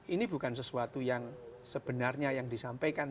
ini bukan sesuatu yang sebenarnya yang disampaikan